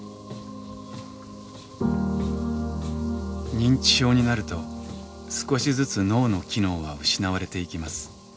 認知症になると少しずつ脳の機能は失われていきます。